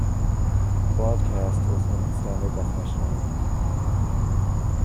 Broadcast is in standard definition only.